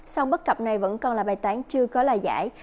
song bất cập này vẫn còn là bài toán chưa có lời giải